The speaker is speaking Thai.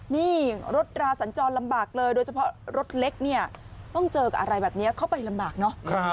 นี่รถราสันจรลำบากเลยโดยเฉพาะรถเล็กเนี่ยต้องเจอกับอะไรแบบนี้เข้าไปลำบากเนอะ